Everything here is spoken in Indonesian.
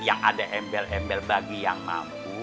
yang ada embel embel bagi yang mampu